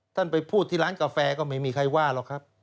ไปพูดที่ร้านกาแฟก็ไม่มีใครว่าหรอกครับ